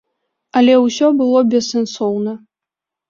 Але ўсё было бессэнсоўна.